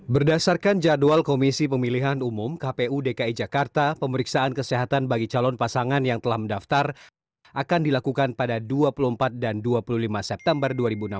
berdasarkan jadwal komisi pemilihan umum kpu dki jakarta pemeriksaan kesehatan bagi calon pasangan yang telah mendaftar akan dilakukan pada dua puluh empat dan dua puluh lima september dua ribu enam belas